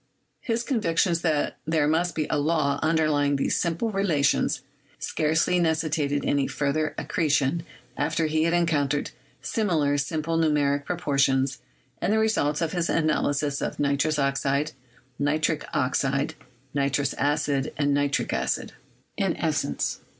His conviction that there must be a law underlying these simple relations scarcely necessitated any further accretion after he had en countered similar simple numerical proportions in the re sults of his analysis of nitrous oxide, nitric oxide, nitrous acid and nitric acid — i.e.